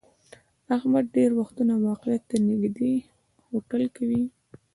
احمد ډېری وختونه واقعیت ته نیږدې هټکل کوي.